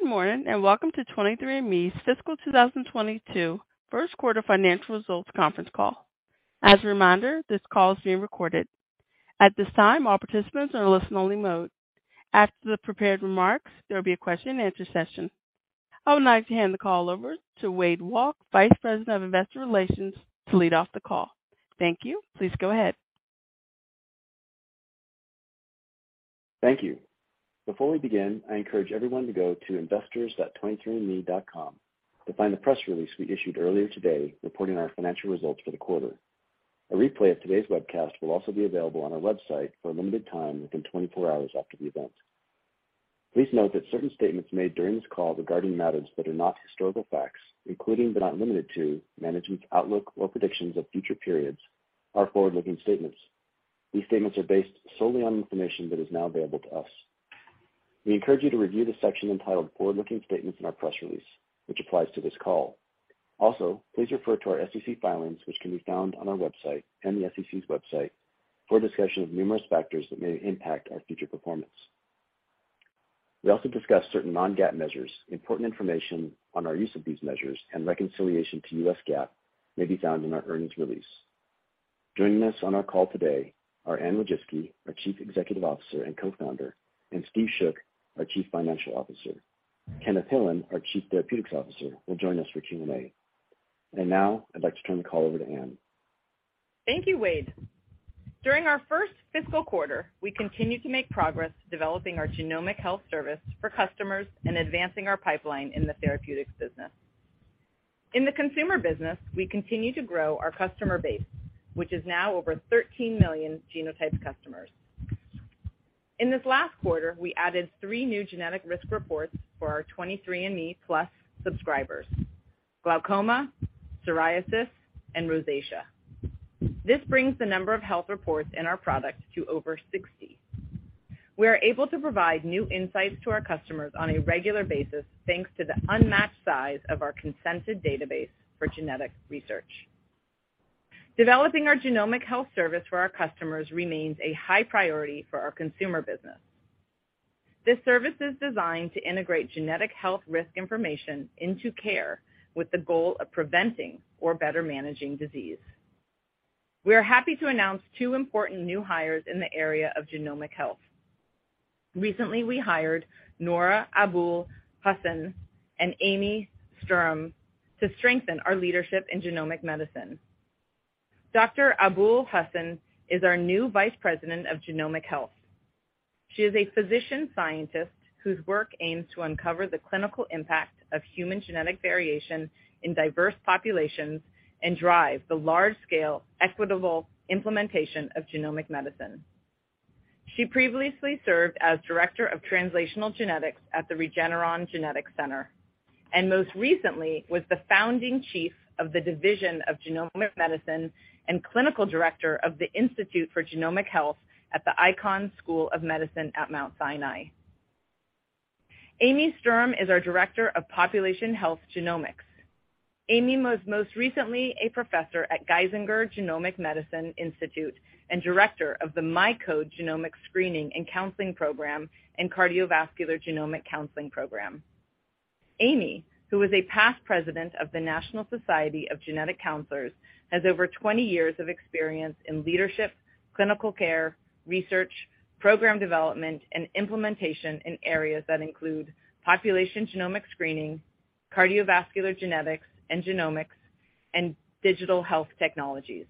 Good morning, and welcome to 23andMe's fiscal 2022 first quarter financial results conference call. As a reminder, this call is being recorded. At this time, all participants are in listen-only mode. After the prepared remarks, there will be a question and answer session. I would like to hand the call over to Wade Walke, Vice President of Investor Relations, to lead off the call. Thank you. Please go ahead. Thank you. Before we begin, I encourage everyone to go to investors.23andMe.com to find the press release we issued earlier today reporting our financial results for the quarter. A replay of today's webcast will also be available on our website for a limited time within 24 hours after the event. Please note that certain statements made during this call regarding matters that are not historical facts, including but not limited to management's outlook or predictions of future periods, are forward-looking statements. These statements are based solely on information that is now available to us. We encourage you to review the section entitled Forward-Looking Statements in our press release, which applies to this call. Also, please refer to our SEC filings, which can be found on our website and the SEC's website for a discussion of numerous factors that may impact our future performance. We also discuss certain non-GAAP measures. Important information on our use of these measures and reconciliation to U.S. GAAP may be found in our earnings release. Joining us on our call today are Anne Wojcicki, our Chief Executive Officer and Co-founder, and Steve Schoch, our Chief Financial Officer. Kenneth Hillan, our Chief Therapeutics Officer, will join us for Q&A. Now I'd like to turn the call over to Anne. Thank you, Wade. During our first fiscal quarter, we continued to make progress developing our genomic health service for customers and advancing our pipeline in the therapeutics business. In the consumer business, we continue to grow our customer base, which is now over 13 million genotyped customers. In this last quarter, we added three new genetic risk reports for our 23andMe+ subscribers, glaucoma, psoriasis, and rosacea. This brings the number of health reports in our products to over 60. We are able to provide new insights to our customers on a regular basis, thanks to the unmatched size of our consented database for genetic research. Developing our genomic health service for our customers remains a high priority for our consumer business. This service is designed to integrate genetic health risk information into care with the goal of preventing or better managing disease. We are happy to announce two important new hires in the area of genomic health. Recently, we hired Noura Abul-Husn and Amy Sturm to strengthen our leadership in genomic medicine. Dr. Abul-Husn is our new Vice President of Genomic Health. She is a physician scientist whose work aims to uncover the clinical impact of human genetic variation in diverse populations and drive the large-scale equitable implementation of genomic medicine. She previously served as Director of Translational Genetics at the Regeneron Genetics Center, and most recently was the Founding Chief of the Division of Genomic Medicine and Clinical Director of the Institute for Genomic Health at the Icahn School of Medicine at Mount Sinai. Amy Sturm is our Director of Population Health Genomics. Amy was most recently a professor at Geisinger Genomic Medicine Institute and Director of the MyCode Genomic Screening and Counseling Program and Cardiovascular Genomic Counseling Program. Amy, who is a past president of the National Society of Genetic Counselors, has over 20 years of experience in leadership, clinical care, research, program development, and implementation in areas that include population genomic screening, cardiovascular genetics and genomics, and digital health technologies.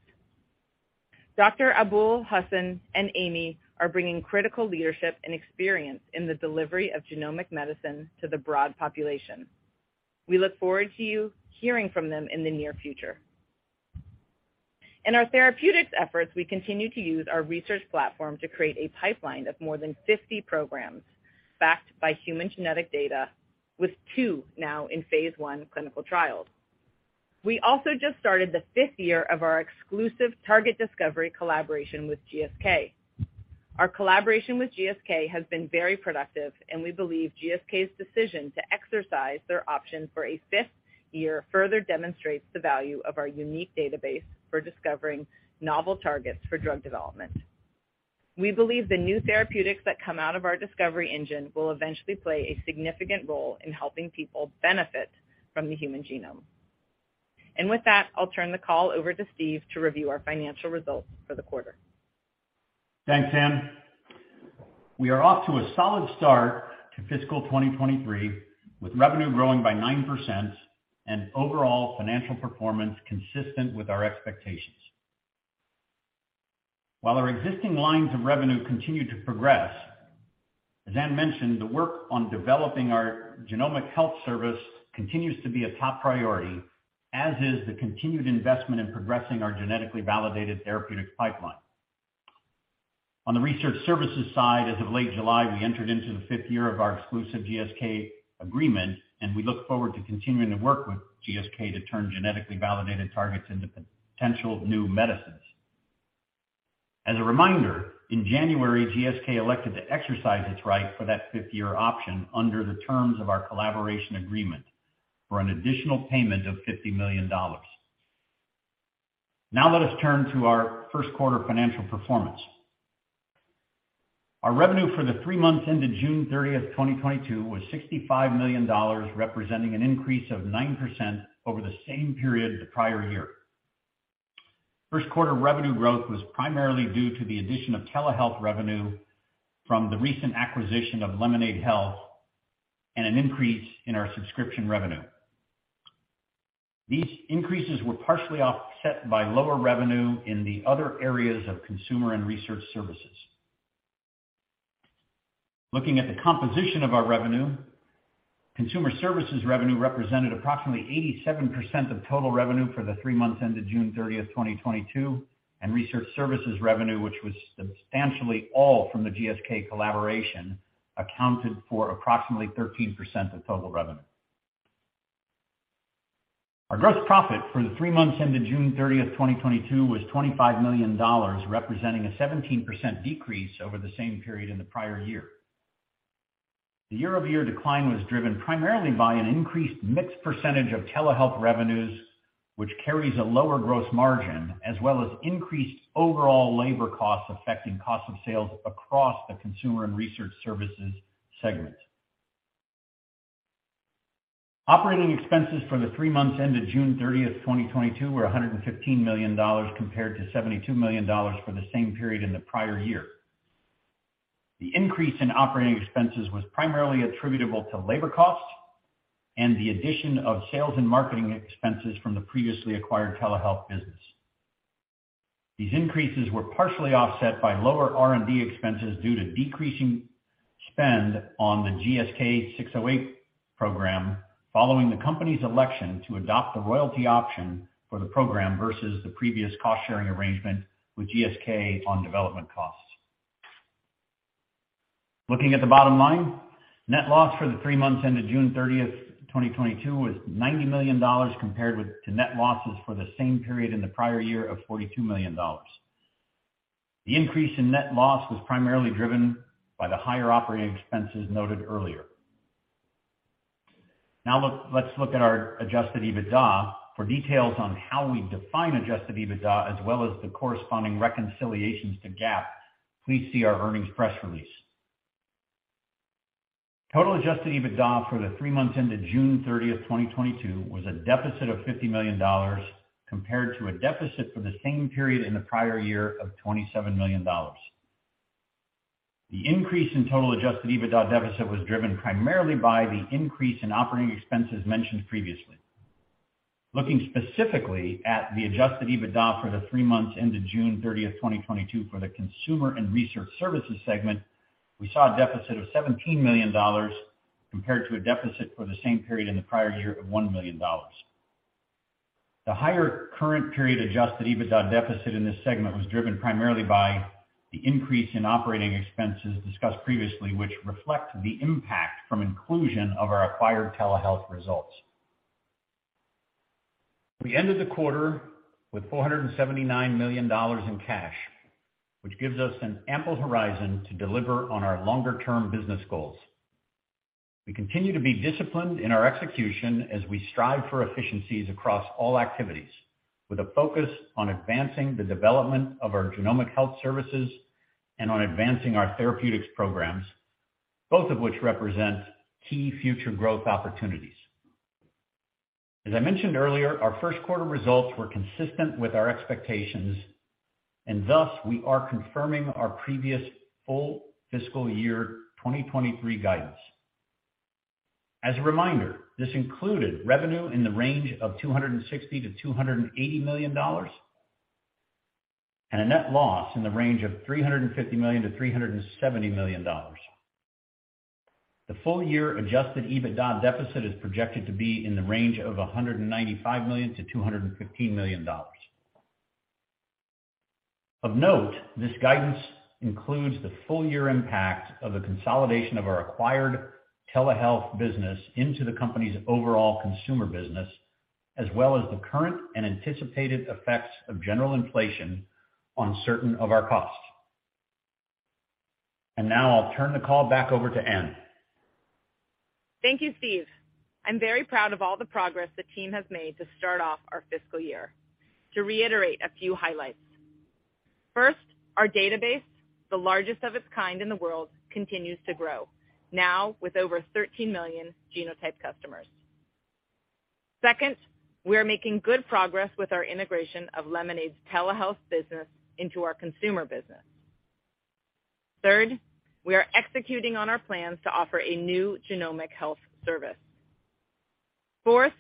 Dr. Abul-Husn and Amy are bringing critical leadership and experience in the delivery of genomic medicine to the broad population. We look forward to you hearing from them in the near future. In our therapeutics efforts, we continue to use our research platform to create a pipeline of more than 50 programs backed by human genetic data, with two now in phase I clinical trials. We also just started the fifth year of our exclusive target discovery collaboration with GSK. Our collaboration with GSK has been very productive, and we believe GSK's decision to exercise their option for a fifth year further demonstrates the value of our unique database for discovering novel targets for drug development. We believe the new therapeutics that come out of our discovery engine will eventually play a significant role in helping people benefit from the human genome. With that, I'll turn the call over to Steve to review our financial results for the quarter. Thanks, Anne. We are off to a solid start to fiscal 2023, with revenue growing by 9% and overall financial performance consistent with our expectations. While our existing lines of revenue continue to progress, as Anne mentioned, the work on developing our genomic health service continues to be a top priority, as is the continued investment in progressing our genetically validated therapeutic pipeline. On the research services side, as of late July, we entered into the fifth year of our exclusive GSK agreement, and we look forward to continuing to work with GSK to turn genetically validated targets into potential new medicines. As a reminder, in January, GSK elected to exercise its right for that fifth-year option under the terms of our collaboration agreement for an additional payment of $50 million. Now let us turn to our first quarter financial performance. Our revenue for the three months ended June 30th, 2022, was $65 million, representing an increase of 9% over the same period the prior year. First quarter revenue growth was primarily due to the addition of telehealth revenue from the recent acquisition of Lemonaid Health and an increase in our subscription revenue. These increases were partially offset by lower revenue in the other areas of consumer and research services. Looking at the composition of our revenue, consumer services revenue represented approximately 87% of total revenue for the three months ended June 30th, 2022, and research services revenue, which was substantially all from the GSK collaboration, accounted for approximately 13% of total revenue. Our gross profit for the three months ended June 30th, 2022, was $25 million, representing a 17% decrease over the same period in the prior year. The year-over-year decline was driven primarily by an increased mix of telehealth revenues, which carries a lower gross margin, as well as increased overall labor costs affecting cost of sales across the consumer and research services segment. Operating expenses for the three months ended June 30th, 2022, were $115 million compared to $72 million for the same period in the prior year. The increase in operating expenses was primarily attributable to labor costs and the addition of sales and marketing expenses from the previously acquired telehealth business. These increases were partially offset by lower R&D expenses due to decreasing spend on the GSK'608 program, following the company's election to adopt the royalty option for the program versus the previous cost-sharing arrangement with GSK on development costs. Looking at the bottom line, net loss for the three months ended June 30th, 2022, was $90 million compared with the net losses for the same period in the prior year of $42 million. The increase in net loss was primarily driven by the higher operating expenses noted earlier. Now, let's look at our Adjusted EBITDA. For details on how we define Adjusted EBITDA as well as the corresponding reconciliations to GAAP, please see our earnings press release. Total Adjusted EBITDA for the three months ended June 30th, 2022, was a deficit of $50 million, compared to a deficit for the same period in the prior year of $27 million. The increase in total Adjusted EBITDA deficit was driven primarily by the increase in operating expenses mentioned previously. Looking specifically at the Adjusted EBITDA for the three months ended June 30th, 2022, for the Consumer and Research Services segment, we saw a deficit of $17 million compared to a deficit for the same period in the prior year of $1 million. The higher current period Adjusted EBITDA deficit in this segment was driven primarily by the increase in operating expenses discussed previously, which reflect the impact from inclusion of our acquired telehealth results. We ended the quarter with $479 million in cash, which gives us an ample horizon to deliver on our longer term business goals. We continue to be disciplined in our execution as we strive for efficiencies across all activities, with a focus on advancing the development of our genomic health services and on advancing our therapeutics programs, both of which represent key future growth opportunities. As I mentioned earlier, our first quarter results were consistent with our expectations and thus, we are confirming our previous full fiscal year 2023 guidance. As a reminder, this included revenue in the range of $260 million-$280 million and a net loss in the range of $350 million-$370 million. The full year adjusted EBITDA deficit is projected to be in the range of $195 million-$215 million. Of note, this guidance includes the full year impact of the consolidation of our acquired telehealth business into the company's overall consumer business, as well as the current and anticipated effects of general inflation on certain of our costs. Now I'll turn the call back over to Anne. Thank you, Steve. I'm very proud of all the progress the team has made to start off our fiscal year. To reiterate a few highlights. First, our database, the largest of its kind in the world, continues to grow, now with over 13 million genotype customers. Second, we are making good progress with our integration of Lemonaid's telehealth business into our consumer business. Third, we are executing on our plans to offer a new genomic health service. Fourth,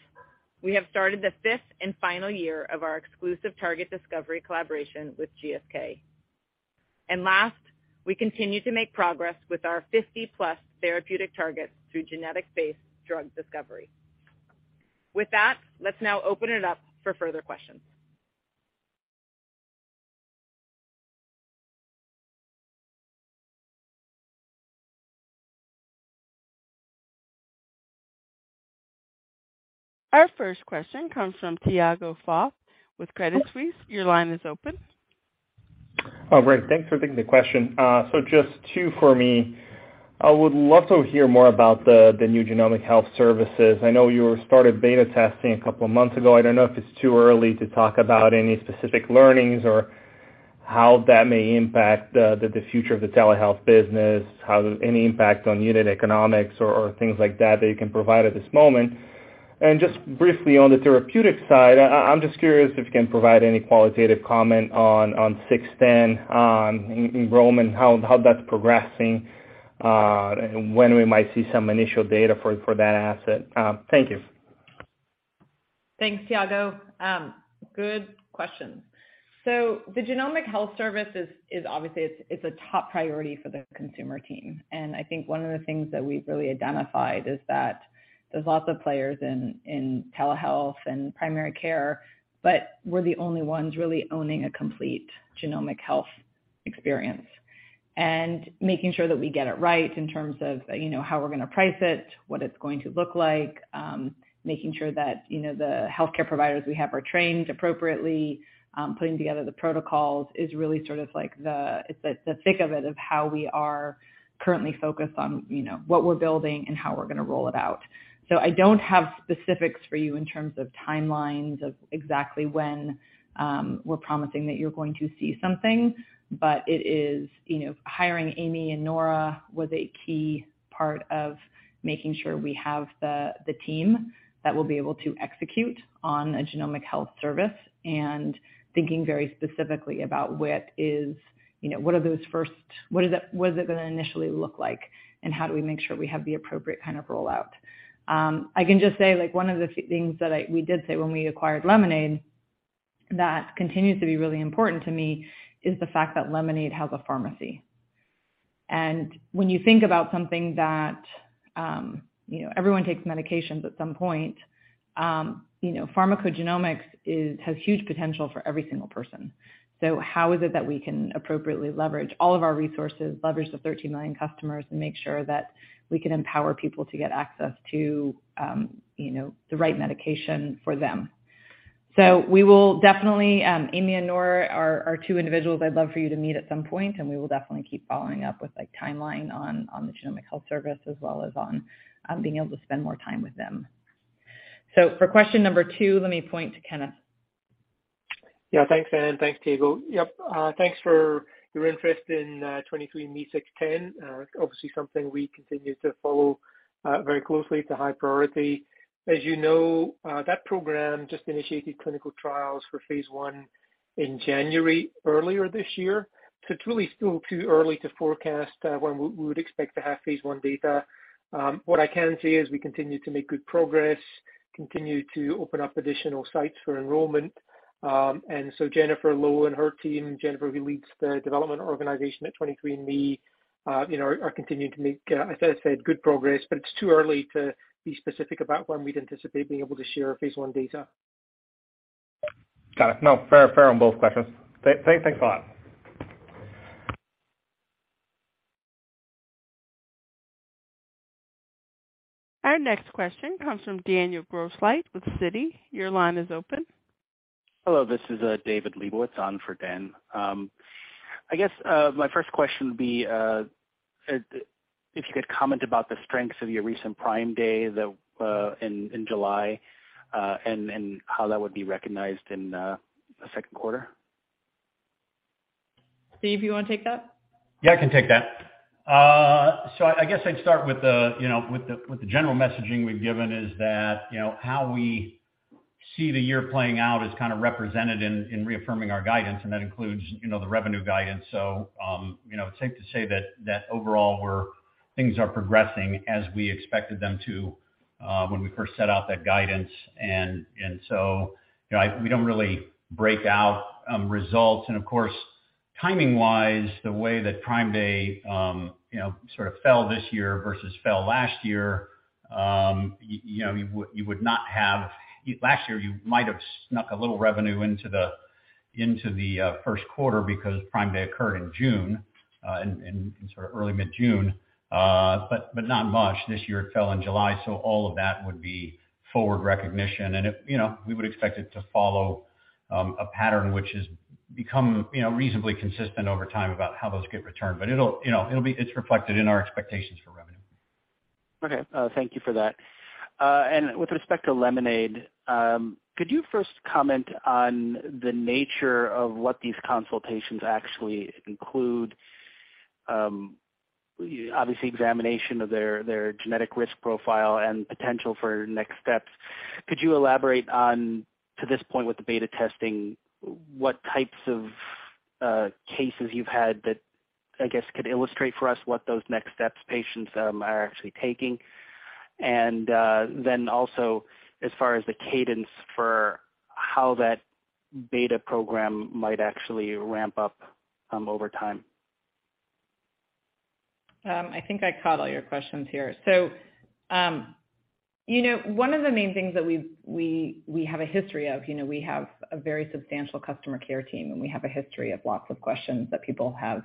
we have started the fifth and final year of our exclusive target discovery collaboration with GSK. Last, we continue to make progress with our 50-plus therapeutic targets through genetic-based drug discovery. With that, let's now open it up for further questions. Our first question comes from Tiago Fale with Credit Suisse. Your line is open. Oh, great. Thanks for taking the question. So just two for me. I would love to hear more about the new genomic health services. I know you started beta testing a couple of months ago. I don't know if it's too early to talk about any specific learnings or how that may impact the future of the telehealth business, how any impact on unit economics or things like that you can provide at this moment. Just briefly on the therapeutic side, I'm just curious if you can provide any qualitative comment on 23ME-00610 enrollment, how that's progressing, and when we might see some initial data for that asset. Thank you. Thanks, Tiago. Good questions. The genomic health service is obviously a top priority for the consumer team. I think one of the things that we've really identified is that there's lots of players in telehealth and primary care, but we're the only ones really owning a complete genomic health experience. Making sure that we get it right in terms of, you know, how we're gonna price it, what it's going to look like, making sure that, you know, the healthcare providers we have are trained appropriately, putting together the protocols is really sort of like it's the thick of it of how we are currently focused on, you know, what we're building and how we're gonna roll it out. I don't have specifics for you in terms of timelines of exactly when we're promising that you're going to see something, but it is, you know, hiring Amy and Nora was a key part of making sure we have the team that will be able to execute on a genomic health service and thinking very specifically about what is, you know, what is it gonna initially look like, and how do we make sure we have the appropriate kind of rollout. I can just say, like one of the few things that we did say when we acquired Lemonaid that continues to be really important to me is the fact that Lemonaid has a pharmacy. When you think about something that, you know, everyone takes medications at some point, you know, pharmacogenomics has huge potential for every single person. How is it that we can appropriately leverage all of our resources, leverage the 13 million customers, and make sure that we can empower people to get access to, you know, the right medication for them. We will definitely, Amy and Nora are two individuals I'd love for you to meet at some point, and we will definitely keep following up with a timeline on the Genomic Health service as well as on being able to spend more time with them. For question number 2, let me point to Kenneth. Yeah. Thanks, Anne. Thanks, Tiago. Yep, thanks for your interest in 23ME-00610. Obviously something we continue to follow very closely. It's a high priority. As you know, that program just initiated clinical trials for phase I in January earlier this year. It's really still too early to forecast when we would expect to have phase I data. What I can say is we continue to make good progress, continue to open up additional sites for enrollment. Jennifer Low and her team, Jennifer, who leads the development organization at 23andMe, you know, are continuing to make, as I said, good progress, but it's too early to be specific about when we'd anticipate being able to share phase I data. Got it. No. Fair on both questions. Thanks a lot. Our next question comes from Daniel Grosslight with Citi. Your line is open. Hello, this is David Liebowitz on for Daniel. I guess my first question would be if you could comment about the strengths of your recent Prime Day that in July and how that would be recognized in the second quarter. Steve, you wanna take that? Yeah, I can take that. So I guess I'd start with the general messaging we've given is that how we see the year playing out is kind of represented in reaffirming our guidance, and that includes the revenue guidance. It's safe to say that overall things are progressing as we expected them to when we first set out that guidance. We don't really break out results. Of course, timing-wise, the way that Prime Day sort of fell this year versus fell last year, you would not have Last year, you might have snuck a little revenue into the first quarter because Prime Day occurred in June, in sort of early mid-June, but not much. This year it fell in July, so all of that would be forward recognition. It, you know, we would expect it to follow a pattern which has become, you know, reasonably consistent over time about how those get returned. It'll, you know, it's reflected in our expectations for revenue. Okay. Thank you for that. With respect to Lemonaid, could you first comment on the nature of what these consultations actually include? Obviously examination of their genetic risk profile and potential for next steps. Could you elaborate on, to this point with the beta testing, what types of cases you've had that, I guess, could illustrate for us what those next steps patients are actually taking? As far as the cadence for how that beta program might actually ramp up, over time. I think I caught all your questions here. You know, one of the main things that we have a history of, you know, we have a very substantial customer care team, and we have a history of lots of questions that people have.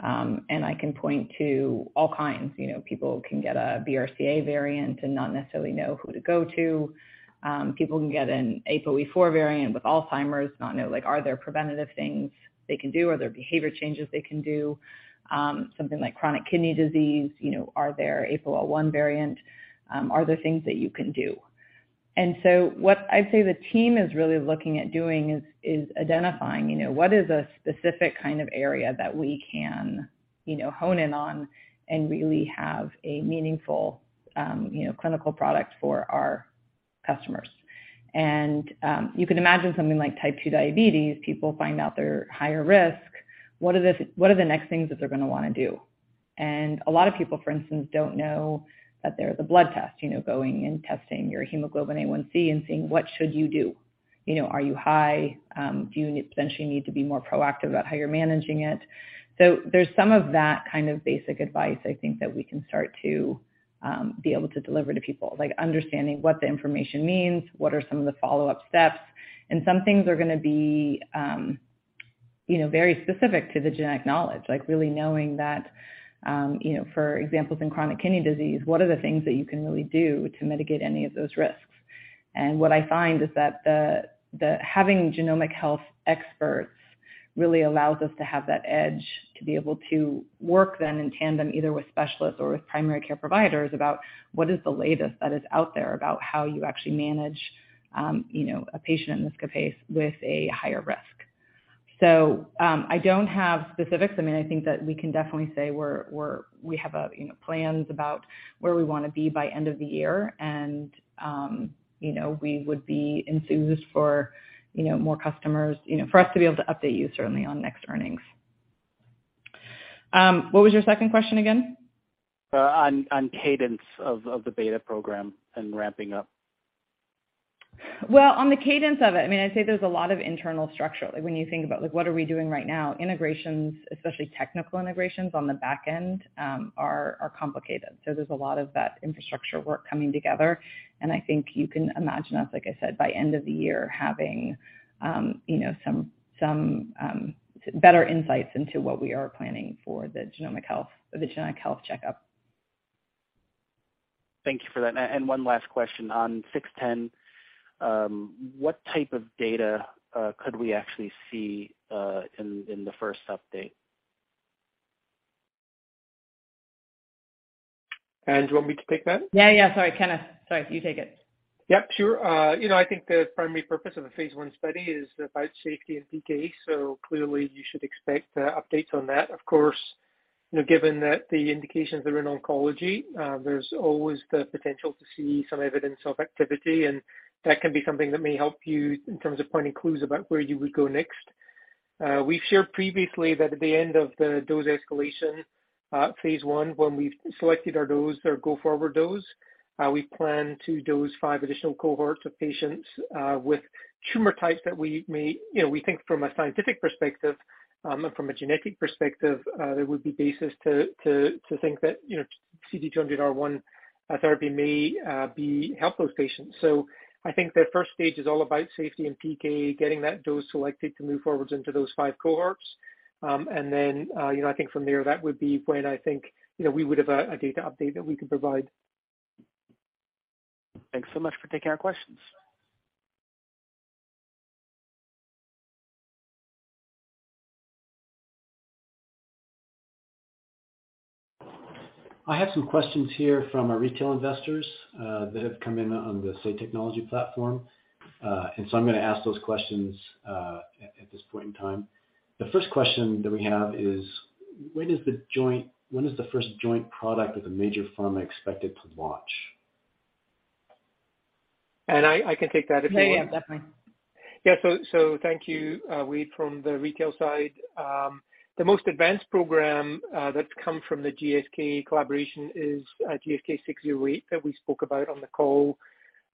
I can point to all kinds. You know, people can get a BRCA variant and not necessarily know who to go to. People can get an APOE4 variant with Alzheimer's, not know, like, are there preventative things they can do? Are there behavior changes they can do? Something like chronic kidney disease, you know, are there APOL1 variant, are there things that you can do? What I'd say the team is really looking at doing is identifying, you know, what is a specific kind of area that we can, you know, hone in on and really have a meaningful, you know, clinical product for our customers. You could imagine something like type 2 diabetes. People find out they're higher risk. What are the next things that they're gonna wanna do? A lot of people, for instance, don't know that there is a blood test, you know, going and testing your hemoglobin A1c and seeing what should you do. You know, are you high? Do you essentially need to be more proactive about how you're managing it? There's some of that kind of basic advice I think that we can start to be able to deliver to people, like understanding what the information means, what are some of the follow-up steps. Some things are gonna be, you know, very specific to the genetic knowledge, like really knowing that, you know, for example in chronic kidney disease, what are the things that you can really do to mitigate any of those risks? What I find is that the having genomic health experts really allows us to have that edge, to be able to work then in tandem, either with specialists or with primary care providers about what is the latest that is out there about how you actually manage, you know, a patient in this case with a higher risk. I don't have specifics. I mean, I think that we can definitely say we have, you know, plans about where we wanna be by end of the year and, you know, we would be enthused for, you know, more customers, you know, for us to be able to update you certainly on next earnings. What was your second question again? On cadence of the beta program and ramping up. Well, on the cadence of it, I mean, I'd say there's a lot of internal structure. Like when you think about, like, what are we doing right now, integrations, especially technical integrations on the back end, are complicated. There's a lot of that infrastructure work coming together, and I think you can imagine us, like I said, by end of the year having, you know, some better insights into what we are planning for the genomic health or the genetic health checkup. Thank you for that. One last question on six ten, what type of data could we actually see in the first update? Anne, you want me to take that? Yeah, yeah. Sorry, Kenneth. Sorry. You take it. Yep, sure. You know, I think the primary purpose of the phase one study is about safety and PK, so clearly you should expect updates on that. Of course, you know, given that the indications are in oncology, there's always the potential to see some evidence of activity, and that can be something that may help you in terms of providing clues about where you would go next. We've shared previously that at the end of the dose escalation phase one, when we've selected our dose, our go-forward dose, we plan to dose 5 additional cohorts of patients with tumor types that we may, you know, we think from a scientific perspective, from a genetic perspective, there would be basis to think that, you know, CD200R1 therapy may be helpful to those patients. I think the first stage is all about safety and PK, getting that dose selected to move forward into those five cohorts. You know, I think from there that would be when I think, you know, we would have a data update that we could provide. Thanks so much for taking our questions. I have some questions here from our retail investors that have come in on the Say Technologies platform. I'm gonna ask those questions at this point in time. The first question that we have is, when is the first joint product with a major pharma expected to launch? I can take that if you want. Yeah, yeah. Definitely. Thank you, Wade, from the retail side. The most advanced program that's come from the GSK collaboration is GSK'608 that we spoke about on the call.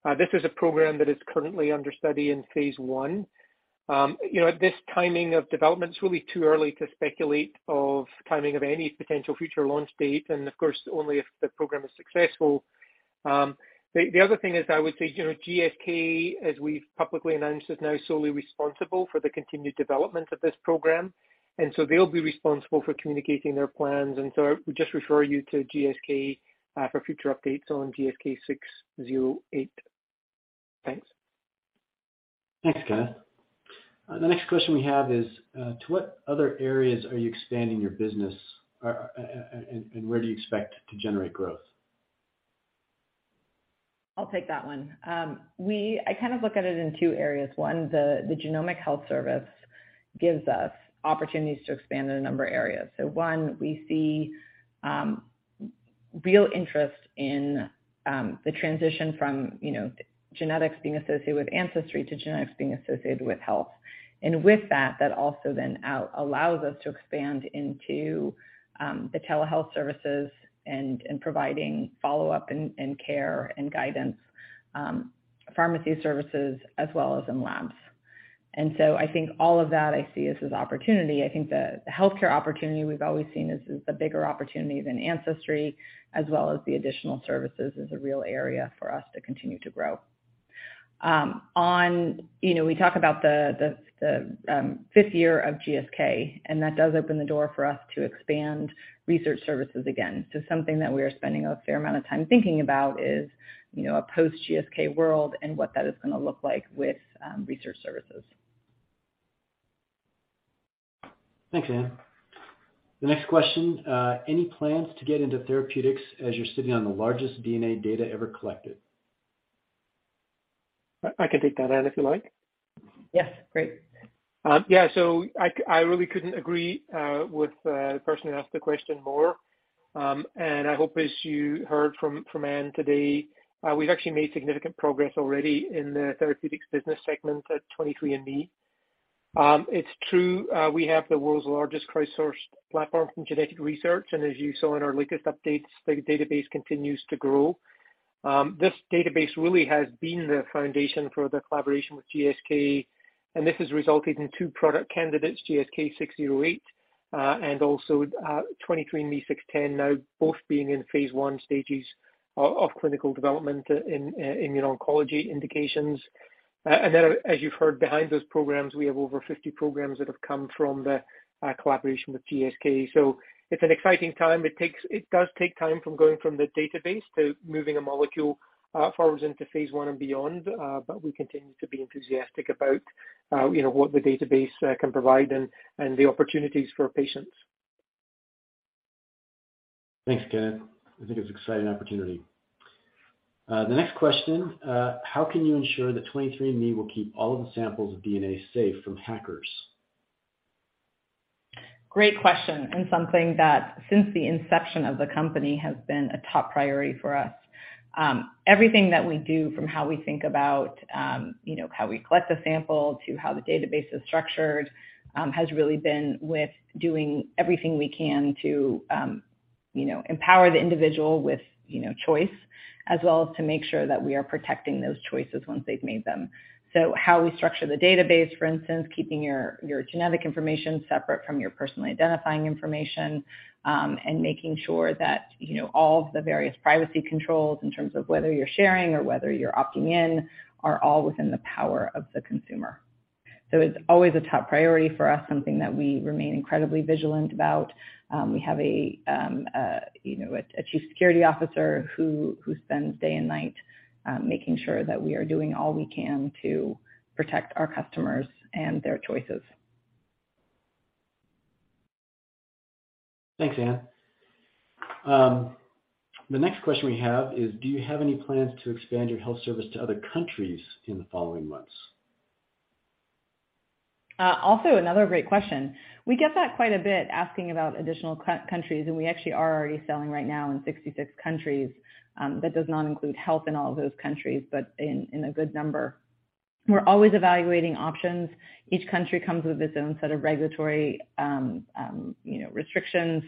This is a program that is currently under study in phase I. You know, at this timing of development, it's really too early to speculate of timing of any potential future launch date and of course, only if the program is successful. The other thing is I would say, you know, GSK, as we've publicly announced, is now solely responsible for the continued development of this program, and they'll be responsible for communicating their plans. I would just refer you to GSK for future updates on GSK'608. Thanks. Thanks, Kenneth. The next question we have is, to what other areas are you expanding your business, and where do you expect to generate growth? I'll take that one. I kind of look at it in two areas. One, the genomic health service gives us opportunities to expand in a number of areas. One, we see real interest in the transition from, you know, genetics being associated with ancestry to genetics being associated with health. With that also then allows us to expand into the telehealth services and providing follow-up and care and guidance, pharmacy services as well as in labs. I think all of that I see as this opportunity. I think the healthcare opportunity we've always seen as the bigger opportunity than ancestry as well as the additional services is a real area for us to continue to grow. On, you know, we talk about the fifth year of GSK, and that does open the door for us to expand Research Services again. Something that we are spending a fair amount of time thinking about is, you know, a post-GSK world and what that is gonna look like with Research Services. Thanks, Anne. The next question, any plans to get into therapeutics as you're sitting on the largest DNA data ever collected? I can take that, Anne, if you like. Yes, great. Yeah. I really couldn't agree with the person who asked the question more. I hope as you heard from Anne today, we've actually made significant progress already in the therapeutics business segment at 23andMe. It's true, we have the world's largest crowdsourced platform from genetic research, and as you saw in our latest updates, the database continues to grow. This database really has been the foundation for the collaboration with GSK, and this has resulted in two product candidates, GSK 608, and also 23andMe 610, now both being in phase I stages of clinical development in immuno-oncology indications. As you've heard behind those programs, we have over 50 programs that have come from the collaboration with GSK. It's an exciting time. It does take time from going from the database to moving a molecule forwards into phase I and beyond, but we continue to be enthusiastic about, you know, what the database can provide and the opportunities for patients. Thanks, Kenneth. I think it's an exciting opportunity. The next question, how can you ensure that 23andMe will keep all of the samples of DNA safe from hackers? Great question, something that since the inception of the company has been a top priority for us. Everything that we do from how we think about, you know, how we collect the sample to how the database is structured, has really been with doing everything we can to, you know, empower the individual with, you know, choice, as well as to make sure that we are protecting those choices once they've made them. How we structure the database, for instance, keeping your genetic information separate from your personally identifying information, and making sure that, you know, all of the various privacy controls in terms of whether you're sharing or whether you're opting in are all within the power of the consumer. It's always a top priority for us, something that we remain incredibly vigilant about. We have a, you know, a Chief Security Officer who spends day and night making sure that we are doing all we can to protect our customers and their choices. Thanks, Anne. The next question we have is, do you have any plans to expand your health service to other countries in the following months? Also another great question. We get that quite a bit, asking about additional countries, and we actually are already selling right now in 66 countries. That does not include health in all of those countries, but in a good number. We're always evaluating options. Each country comes with its own set of regulatory, you know, restrictions,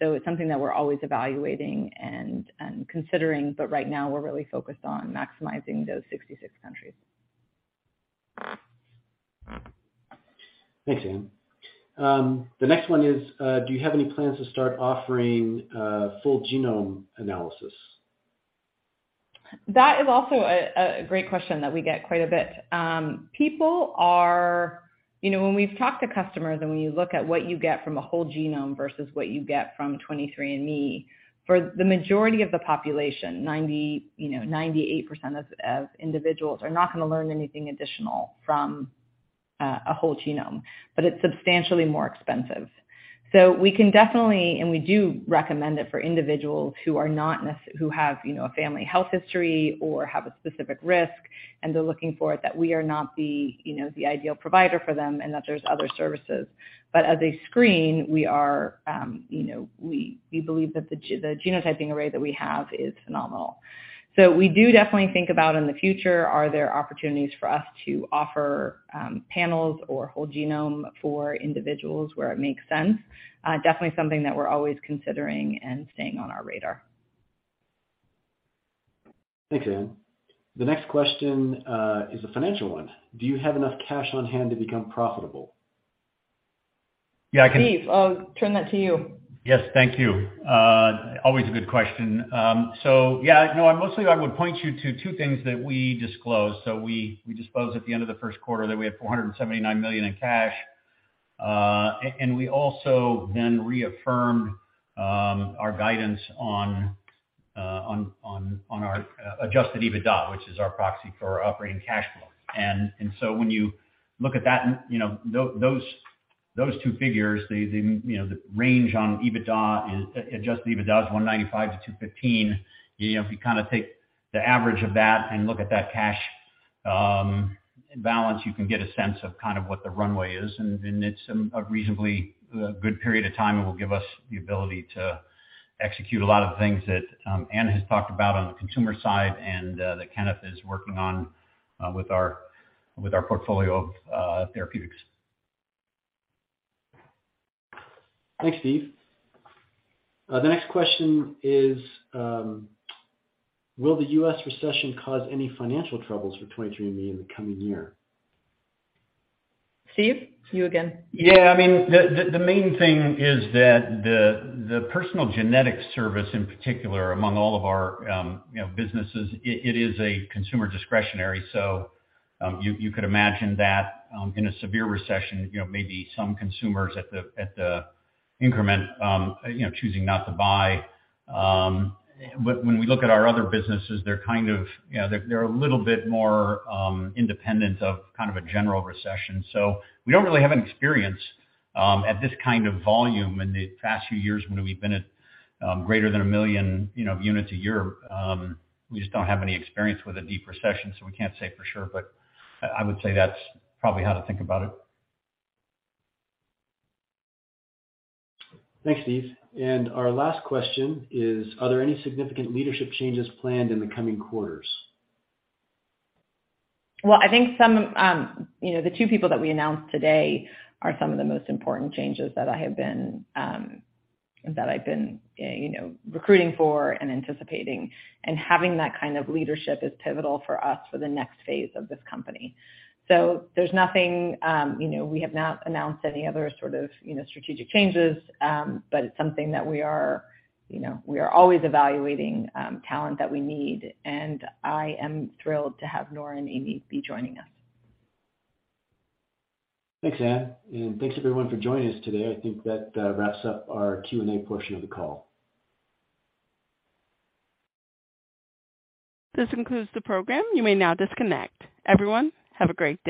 so it's something that we're always evaluating and considering, but right now we're really focused on maximizing those 66 countries. Thanks, Anne. The next one is, do you have any plans to start offering full genome analysis? That is also a great question that we get quite a bit. People are you know when we've talked to customers and when you look at what you get from a whole genome versus what you get from 23andMe, for the majority of the population, 98% of individuals are not gonna learn anything additional from a whole genome, but it's substantially more expensive. We can definitely, and we do recommend it for individuals who have you know a family health history or have a specific risk, and they're looking for it that we are not you know the ideal provider for them and that there's other services. As a screen, we are you know we believe that the genotyping array that we have is phenomenal. We do definitely think about in the future, are there opportunities for us to offer panels or whole genome for individuals where it makes sense. Definitely something that we're always considering and staying on our radar. Thanks, Anne. The next question is a financial one. Do you have enough cash on hand to become profitable? Yeah, I can. Steve, I'll turn that to you. Yes. Thank you. Always a good question. Yeah, you know, I mostly would point you to two things that we disclosed. We disclosed at the end of the first quarter that we had $479 million in cash. We also then reaffirmed our guidance on our Adjusted EBITDA, which is our proxy for operating cash flow. When you look at that, you know, those two figures, you know, the range on Adjusted EBITDA is $195 million-$215 million. You know, if you kinda take the average of that and look at that cash balance, you can get a sense of kind of what the runway is. It's a reasonably good period of time and will give us the ability to execute a lot of the things that Anne has talked about on the consumer side and that Kenneth is working on with our portfolio of therapeutics. Thanks, Steve. The next question is, will the U.S. recession cause any financial troubles for 23andMe in the coming year? Steve, you again. Yeah. I mean, the main thing is that the personal genetic service, in particular, among all of our businesses, it is a consumer discretionary. You could imagine that in a severe recession, you know, maybe some consumers at the margin choosing not to buy. When we look at our other businesses, they're kind of, you know, a little bit more independent of kind of a general recession. We don't really have an experience at this kind of volume in the past few years when we've been at greater than one million units a year. We just don't have any experience with a deep recession, so we can't say for sure, but I would say that's probably how to think about it. Thanks, Steve. Our last question is: Are there any significant leadership changes planned in the coming quarters? Well, I think, you know, the two people that we announced today are some of the most important changes that I've been, you know, recruiting for and anticipating. Having that kind of leadership is pivotal for us for the next phase of this company. There's nothing, you know, we have not announced any other sort of, you know, strategic changes, but it's something that we are, you know, we are always evaluating talent that we need, and I am thrilled to have Noura Abul-Husn and Amy Sturm be joining us. Thanks, Anne, and thanks everyone for joining us today. I think that wraps up our Q&A portion of the call. This concludes the program. You may now disconnect. Everyone, have a great day.